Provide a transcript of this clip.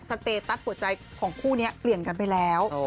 สเตตัสหัวใจของคู่นี้เปลี่ยนกันไปแล้ว